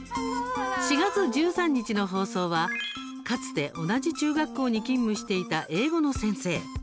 ４月１３日の放送はかつて同じ中学校に勤務していた英語の先生。